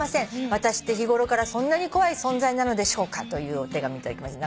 「私って日頃からそんなに怖い存在なのでしょうか」というお手紙頂きました。